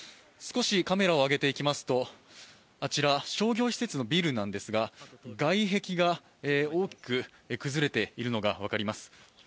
少しカメラを上げていきますと、商業施設のビルなのですが、外壁が大きく崩れているのが分かります。